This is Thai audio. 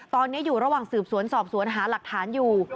ตอนนี้อยู่ระหว่างสืบสวนสอบสวนหาหลักฐานอยู่